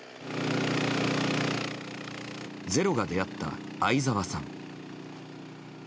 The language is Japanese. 「ｚｅｒｏ」が出会った相澤さん。